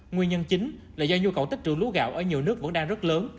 nguyên nhân chính là do nhu cầu tích trưởng lúa gạo ở nhiều nước vẫn đang rất lớn